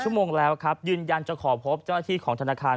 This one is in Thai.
ชั่วโมงแล้วครับยืนยันจะขอพบเจ้าหน้าที่ของธนาคาร